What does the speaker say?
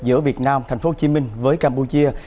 giữa việt nam thành phố hồ chí minh với campuchia